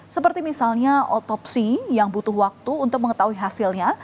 seperti misalnya otopsi yang butuh waktu untuk mengetahui hasilnya